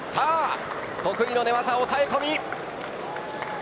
得意の寝技抑え込み。